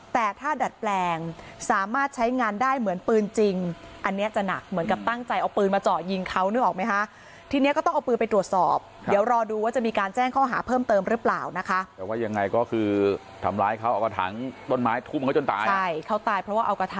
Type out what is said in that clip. แต่ถ้าดัดแปลงสามารถใช้งานได้เหมือนปืนจริงอันนี้จะหนักเหมือนกับตั้งใจเอาปืนมาเจาะยิงเขา